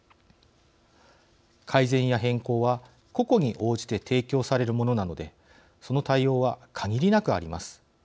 改善や変更は個々に応じて提供されるものなのでその対応は限りなくあります。